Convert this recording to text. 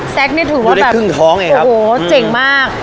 แซ็กเนี้ยถือว่าแบบดูได้ครึ่งท้องไงครับโอ้โหเจ๋งมาก